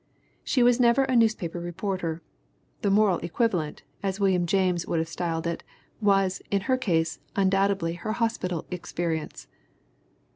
She was never a newspaper reporter. The "moral equivalent," as William James would have styled it, was, in her case, undoubtedly her hospital experience.